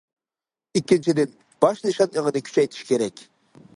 ئىككىنچىدىن، باش نىشان ئېڭىنى كۈچەيتىش كېرەك.